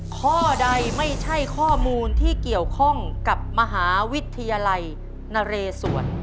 ข้อใดไม่ใช่ข้อมูลที่เกี่ยวข้องกับมหาวิทยาลัยนเรศวร